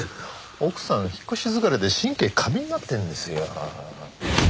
奥さん引っ越し疲れで神経過敏になってるんですよ。